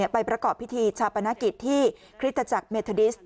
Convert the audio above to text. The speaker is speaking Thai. ประกอบพิธีชาปนกิจที่คริสตจักรเมธาดิส